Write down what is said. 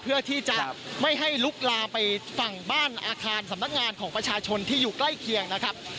เพื่อที่จะไม่ให้ลุกลามไปฝั่งบ้านอาคารสำนักงานของประชาชนที่อยู่ใกล้เคียงนะครับ